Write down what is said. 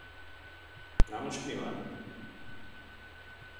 Na most mi van?